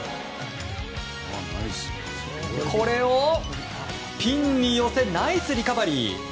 これをピンに寄せナイスリカバリー！